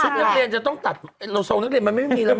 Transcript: นักเรียนจะต้องตัดเราทรงนักเรียนมันไม่มีแล้ว